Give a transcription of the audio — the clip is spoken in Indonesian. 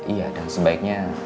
iya dan sebaiknya